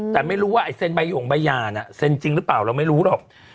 แต่ไม่รู้ว่าเซลต์ใบโยงใบยานเซลต์จริงหรือเปล่าเราแม้รู้หรอก